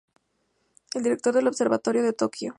El director del observatorio de Tokio.